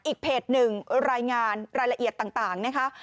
อีกเพจหนึ่งรายงานรายละเอียดต่างนะคะ